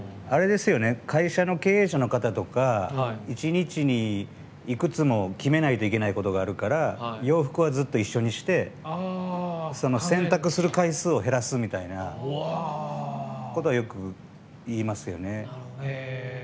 会社の経営者の方とか一日にいくつも決めないといけないことがあるから洋服はずっと一緒にして選択する回数を減らすみたいなことはよく言いますよね。